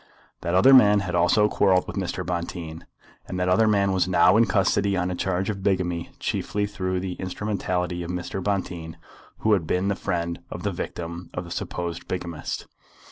That other man had also quarrelled with Mr. Bonteen, and that other man was now in custody on a charge of bigamy chiefly through the instrumentality of Mr. Bonteen, who had been the friend of the victim of the supposed bigamist.